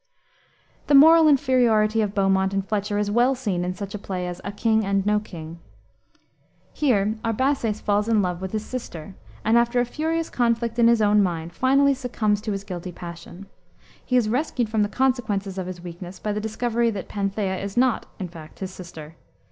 The moral inferiority of Beaumont and Fletcher is well seen in such a play as A King and No King. Here Arbaces falls in love with his sister, and, after a furious conflict in his own mind, finally succumbs to his guilty passion. He is rescued from the consequences of his weakness by the discovery that Panthea is not, in fact, his sister.